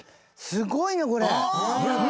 すごいねこれ！